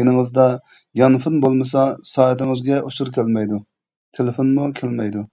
يېنىڭىزدا يانفون بولمىسا سائىتىڭىزگە ئۇچۇر كەلمەيدۇ، تېلېفونمۇ كەلمەيدۇ.